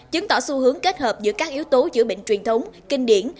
chứng tỏ xu hướng kết hợp giữa các yếu tố chữa bệnh truyền thống kinh điển